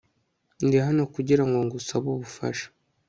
Ndi hano kugirango ngusabe ubufasha